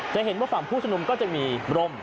จะเห็นว่าฝั่งผู้ชมนุมก็จะมีร่ม